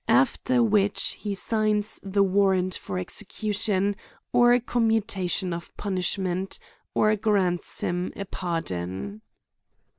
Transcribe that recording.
197 'after which, he signs the warrant for execution, or commutation of punishment, or grants him a pardon.